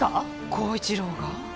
晃一郎が？